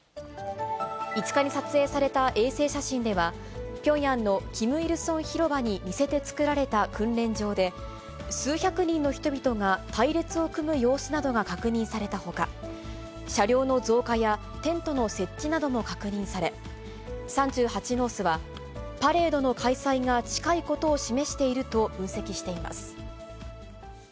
５日に撮影された衛星写真では、ピョンヤンのキム・イルソン広場に似せて作られた訓練場で、数百人の人々が隊列を組む様子などが確認されたほか、車両の増加やテントの設置なども確認され、３８ノースは、パレードの開催が近いことを示していると分析しています。